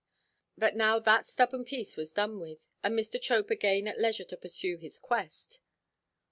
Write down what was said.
But now that stubborn piece was done with, and Mr. Chope again at leisure to pursue his quest.